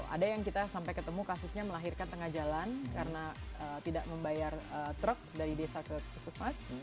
ada yang kita sampai ketemu kasusnya melahirkan tengah jalan karena tidak membayar truk dari desa ke puskesmas